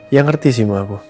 ya ngerti sih mak